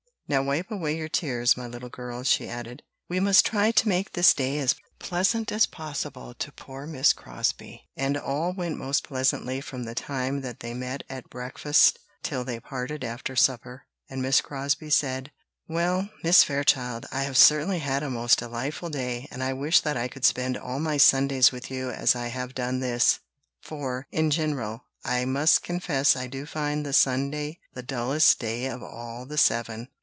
"Now wipe away your tears, my little girls," she added. "We must try to make this day as pleasant as possible to poor Miss Crosbie." And all went most pleasantly from the time that they met at breakfast till they parted after supper; and Miss Crosbie said: "Well, Mrs. Fairchild, I have certainly had a most delightful day, and I wish that I could spend all my Sundays with you as I have done this; for, in general, I must confess I do find the Sunday the dullest day of all the seven."